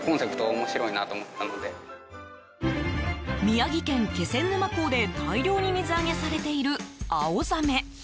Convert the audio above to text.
宮城県気仙沼港で大量に水揚げされているアオザメ。